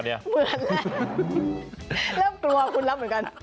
เริ่มกลัวคุณแล้วเหมือนกัน